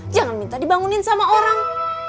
jangan minta dibangunin sama orang